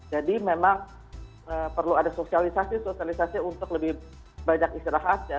jadi memang perlu ada sosialisasi sosialisasi untuk lebih banyak istirahat